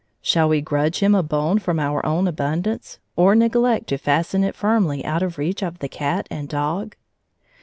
Shall we grudge him a bone from our own abundance, or neglect to fasten it firmly out of reach of the cat and dog?